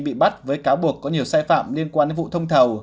bị bắt với cáo buộc có nhiều sai phạm liên quan đến vụ thông thầu